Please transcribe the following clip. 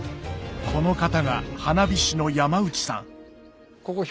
この方が花火師の山内さん